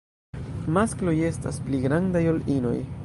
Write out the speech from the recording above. Maskloj estas pli grandaj ol inoj.